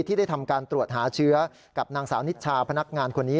ที่ได้ทำการตรวจหาเชื้อกับนางสาวนิชชาพนักงานคนนี้